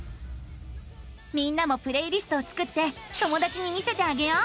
みんなもプレイリストを作って友だちに見せてあげよう。